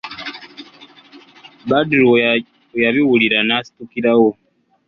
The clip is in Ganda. Badru bwe yabiwulira n'asitukirawo.